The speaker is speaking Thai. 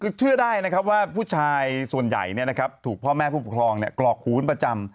คือเชื่อได้นะครับว่าผู้ชายส่วนใหญ่ถูกพ่อแม่ผู้ปกครองกรอกคูณประจำ